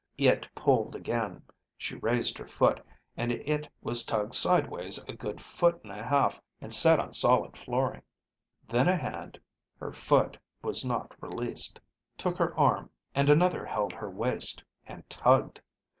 It pulled again. She raised her foot, and it was tugged sideways a good foot and a half and set on solid flooring. Then a hand (her foot was not released) took her arm, and another held her waist, and tugged.